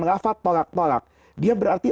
lafat tolak tolak dia berarti